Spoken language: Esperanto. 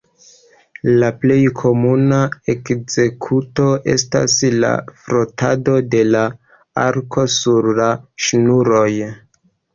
La plej komuna ekzekuto estas la frotado de la arko sur la ŝnuroj.